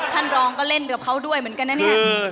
ท่านรองก็เล่นกับเขาด้วยเหมือนกันนะเนี่ย